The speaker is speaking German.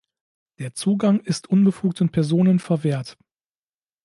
Der Zugang ist unbefugten Personen verwehrt.